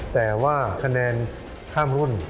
แต่ว่าคะแนนข้ามรุ่น